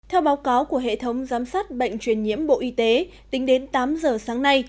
theo báo cáo của hệ thống giám sát bệnh truyền nhiễm bộ y tế tính đến tám giờ sáng nay